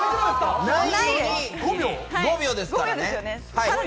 ５秒ですからね。